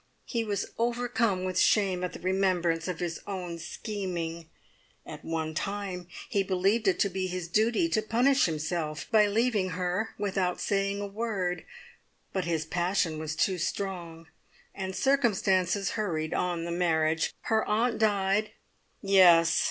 He was overcome with shame at the remembrance of his own scheming. At one time he believed it to be his duty to punish himself by leaving her without saying a word, but his passion was too strong, and circumstances hurried on the marriage. Her aunt died " "Yes.